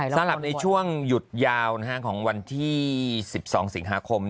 สำหรับในช่วงหยุดยาวของวันที่๑๒สิงหาคม